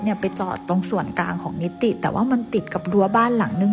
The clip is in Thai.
ไปจอดตรงส่วนกลางของนิติแต่ว่ามันติดกับรั้วบ้านหลังนึง